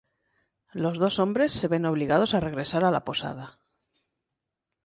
Los dos hombres se ven obligados a regresar a la posada.